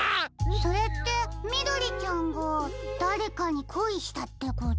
それってみどりちゃんがだれかにこいしたってこと？